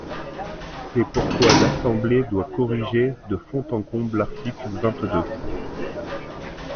C’est pourquoi l’Assemblée doit corriger de fond en comble l’article vingt-deux.